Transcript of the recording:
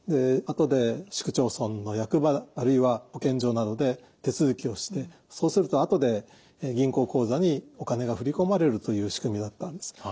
後で市区町村の役場あるいは保健所などで手続きをしてそうすると後で銀行口座にお金が振り込まれるという仕組みだったんです。